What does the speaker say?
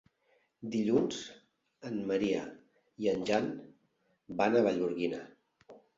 Dilluns en Maria i en Jan van a Vallgorguina.